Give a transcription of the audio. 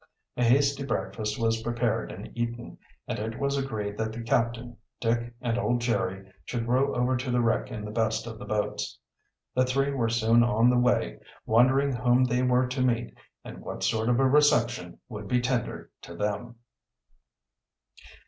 A hasty breakfast was prepared and eaten, and it was agreed that the captain, Dick, and old Jerry should row over to the wreck in the best of the boats. The three were soon on the way, wondering whom they were to meet and what sort of a reception would be tendered to them.